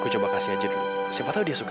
aku coba kasih aja dulu siapa tahu dia suka